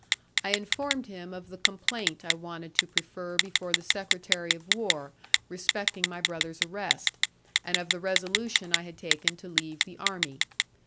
I informed him of the complaint I wanted to prefer before the secretary of war respecting my brother's arrest, and of the resolution I had taken to leave the army.